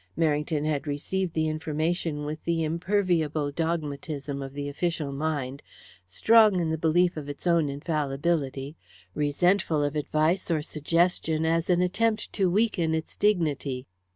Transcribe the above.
Merrington had received the information with the imperviable dogmatism of the official mind, strong in the belief in its own infallibility, resentful of advice or suggestion as an attempt to weaken its dignity.